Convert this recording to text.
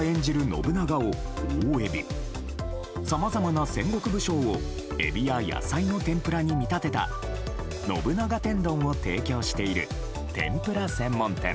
信長を大エビさまざまな戦国武将をエビや野菜の天ぷらに見立てた信長天丼を提供している天ぷら専門店。